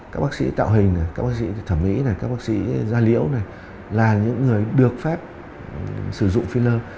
các bác sĩ tạo hình các bác sĩ thẩm mỹ các bác sĩ da liễu là những người được phép sử dụng filler